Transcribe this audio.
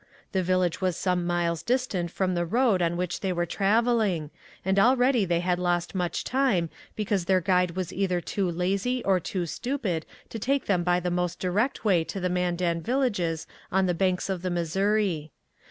The village was some miles distant from the road on which they were travelling and already they had lost much time because their guide was either too lazy or too stupid to take them by the most direct way to the Mandan villages on the banks of the Missouri.